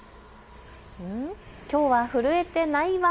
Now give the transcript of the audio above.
きょうは震えてないワン！